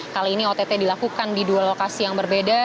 kali ini ott dilakukan di dua lokasi yang berbeda